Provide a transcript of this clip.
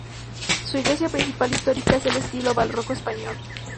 Su iglesia principal histórica es del estilo barroco español.